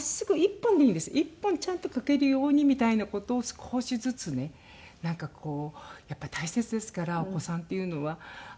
１本ちゃんと書けるようにみたいな事を少しずつねなんかこうやっぱ大切ですからお子さんっていうのは。